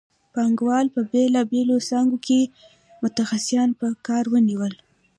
پانګوالو په بېلابېلو څانګو کې متخصصان په کار ونیول